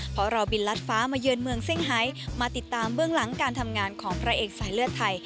เพราะเราบินลัดฟ้ามาเยือนเมืองเซี่ยมาติดตามเบื้องหลังการทำงานของพระเอกสายเลือดไทย